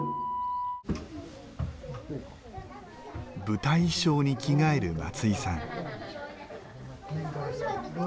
舞台衣装に着替える松井さん。